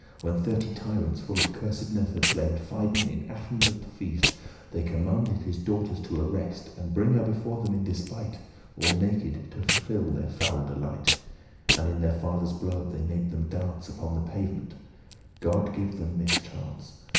<22> When thirty tyrants full of cursedness* *wickedness Had slain Phidon in Athens at the feast, They commanded his daughters to arrest, And bringe them before them, in despite, All naked, to fulfil their foul delight; And in their father's blood they made them dance Upon the pavement, — God give them mischance.